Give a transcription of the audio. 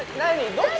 どっち？